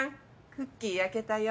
クッキー焼けたよ。